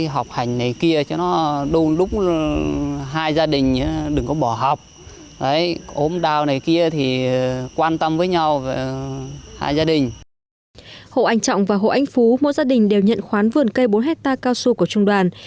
hộ anh trọng và hộ anh phú mỗi gia đình đều nhận khoán vườn cây bốn hectare cao su của trung đoàn